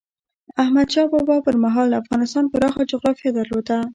احمد شاه بابا پر مهال افغانستان پراخه جغرافیه درلوده.